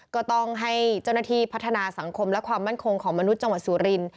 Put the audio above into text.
ก็ต้องให้เจ้าหน้าที่พัฒนาสังคมและความมั่นคงของมนุษย์จังหวัดสุรินทร์